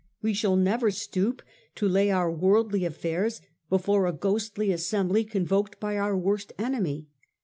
We shall never stoop to lay our worldly affairs before a ghostly assembly convoked by our worst enemy.